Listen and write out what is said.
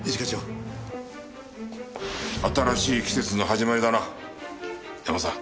新しい季節の始まりだなヤマさん。